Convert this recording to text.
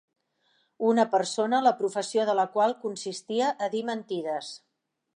Una persona la professió de la qual consistia a dir mentides